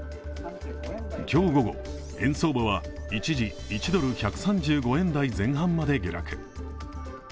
今日午後、円相場は一時１ドル＝１３５円台前半まで下落。